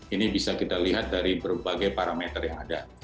ini bisa kita lihat dari berbagai parameter yang ada